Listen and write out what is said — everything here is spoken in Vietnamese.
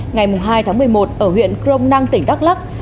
ngày hai tháng một mươi một ở huyện crom năng tỉnh đắk lắc